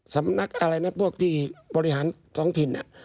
สำนักอะไรนะพวกที่บริหารท้องถิ่น